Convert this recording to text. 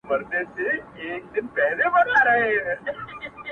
رنځ یې په کور وي طبیب نه لري دوا نه لري؛